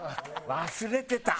忘れてた。